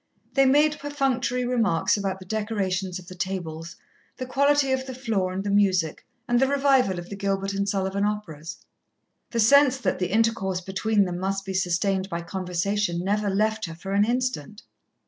They made perfunctory remarks about the decorations of the tables, the quality of the floor and the music, and the revival of the Gilbert and Sullivan operas. The sense that the intercourse between them must be sustained by conversation never left her for an instant.